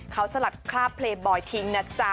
เขาสลัดคราบเลบอยทิ้งนะจ๊ะ